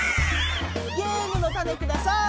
ゲームのたねください！